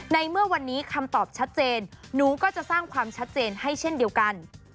ในเมื่อวันนี้คำตอบชัดเจนหนูก็จะสร้างความชัดเจนให้เช่นเดียวกัน